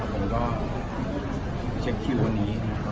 ผมก็เช็คคิววันนี้